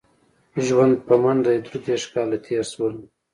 ژوند په منډه دی درې دېرش کاله تېر شول.